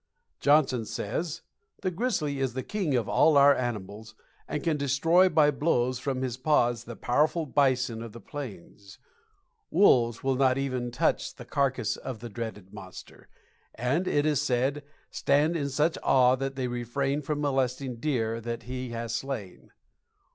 Johnson says "the grizzly is the king of all our animals, and can destroy by blows from his paws the powerful bison of the plains; wolves will not even touch the carcass of the dreaded monster, and, it is said, stand in such awe that they refrain from molesting deer that he has slain.